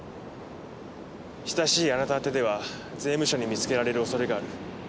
親しいあなたあてでは税務署に見つけられる恐れがある。